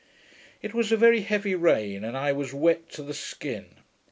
] It was a very heavy rain, and I was wet to the skin.